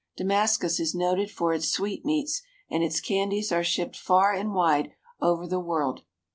Damascus is noted for its sweetmeats, and its candies are shipped far and wide over the world.